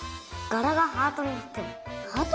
がらがハートになってる。